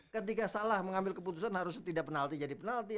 ketika salah mengambil keputusan harusnya tidak penalti jadi penalti